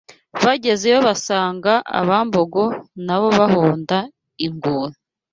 bagezeyo basanga Abambogo na bo bahonda inguri